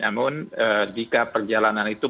namun jika perjalanan itu